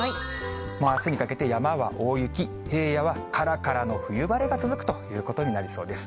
あすにかけて山は大雪、平野はからからの冬晴れが続くということになりそうです。